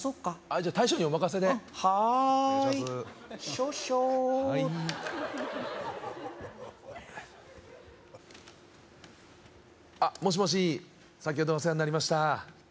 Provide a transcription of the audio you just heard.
じゃあ大将にお任せではい少々はいもしもし先ほどはお世話になりました